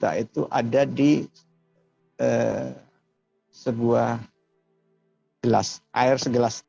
kalau satu ratus tiga puluh juta itu ada di sebuah gelas air segelas